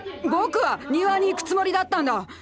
僕は庭に行くつもりだったんだ。